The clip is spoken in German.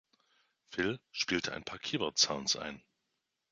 Phil spielte ein paar Keyboard-Sounds ein.